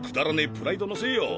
プライドのせいよ。